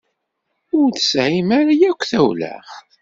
Ur tesɛim ara akk tawla.